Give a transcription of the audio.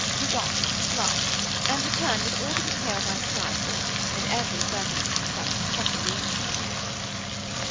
Begone! fly! and return with all the details I sigh for, and every circumstance that can possibly interest me."